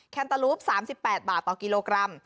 แนตาลูป๓๘บาทต่อกิโลกรัม